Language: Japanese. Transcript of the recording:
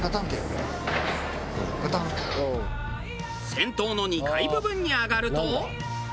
銭湯の２階部分に上がると。